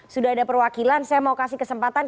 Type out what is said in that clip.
sudah ada perwakilan saya mau kasih kesempatan